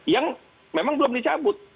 yang memang belum dicabut